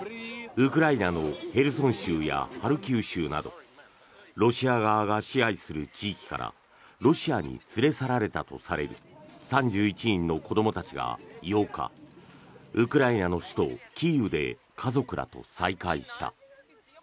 ウクライナのヘルソン州やハルキウ州などロシア側が支配する地域からロシアに連れ去られたとされる３１人の子どもたちが８日ウクライナの首都キーウで家族らと再会した。